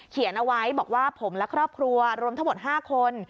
เขียนเอาไว้บอกว่าผมและครอบครัวรวมทั้งหมด๕คน